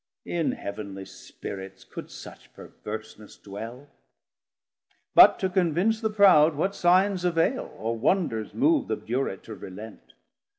In heav'nly Spirits could such perverseness dwell? But to convince the proud what Signs availe, Or Wonders move th' obdurate to relent?